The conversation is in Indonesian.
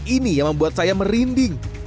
ini yang membuat saya merinding